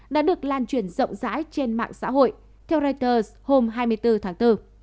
đã được lan truyền rộng rãi trên mạng xã hội theo reuters hôm hai mươi bốn tháng bốn